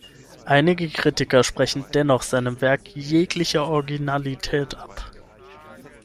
Einige Kritiker sprechen dennoch seinem Werk jegliche Originalität ab.